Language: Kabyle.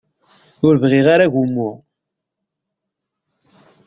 Ur bɣiɣ ara agummu.